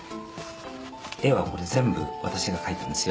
絵はこれ全部私が描いたんですよ。